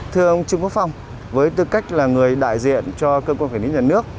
thưa ông trương quốc phong với tư cách là người đại diện cho cơ quan quản lý nhà nước